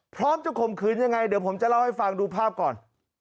พร้อมจะข่มขืนยังไงเดี๋ยวผมจะเล่าให้ฟังดูภาพก่อน